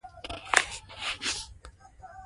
د ازادو خبریالانو کمېټه فعالیت درلود.